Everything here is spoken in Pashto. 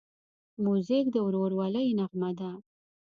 موزیک د ورورولۍ نغمه ده.